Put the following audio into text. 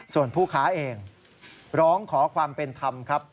ส่วนผู้ค้าเองร้องขอความเป็นธรรมครับ